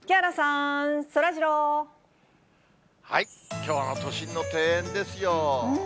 きょうの都心の庭園ですよ。